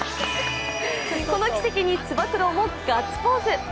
この奇跡につば九郎もガッツポーズ。